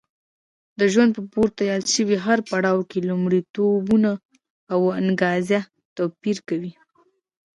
د ژوند په پورته یاد شوي هر پړاو کې لومړیتوبونه او انګېزه توپیر کوي.